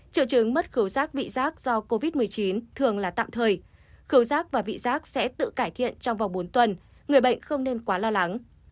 triệu chứng mất khẩu rác vị rác do covid một mươi chín thường là tạm thời khẩu rác và vị rác sẽ tự cải thiện trong vòng bốn tuần người bệnh không nên quá lo lắng